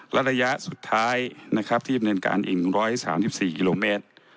และระยะสุดท้ายที่บริเวณการอิง๑๓๔กิโลเมตร